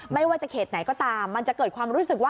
ไม่ว่าจะเขตไหนก็ตามมันจะเกิดความรู้สึกว่า